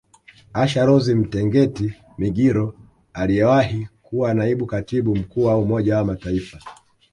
Asha Rose Mtengeti Migiro aliyewahi kuwa Naibu Katibu Mkuu wa Umoja wa Mataifa